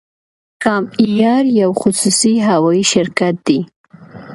کام ایر یو خصوصي هوایی شرکت دی